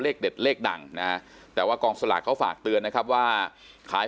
เด็ดเลขดังนะแต่ว่ากองสลากเขาฝากเตือนนะครับว่าขาย